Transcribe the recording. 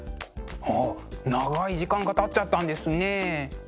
あ長い時間がたっちゃったんですね。